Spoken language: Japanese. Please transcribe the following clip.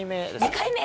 ２回目。